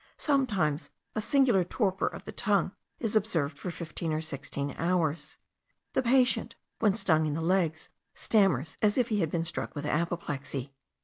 Sometimes a singular torpor of the tongue is observed for fifteen or sixteen hours. The patient, when stung in the legs, stammers as if he had been struck with apoplexy.)